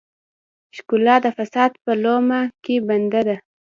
ښکلا د فساد په لومه کې بنده ده.